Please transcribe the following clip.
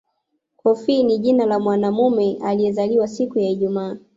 Kofi ni jina la mwanamume aliyezaliwa siku ya Ijumaa